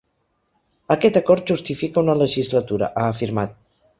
“Aquest acord justifica una legislatura”, ha afirmat.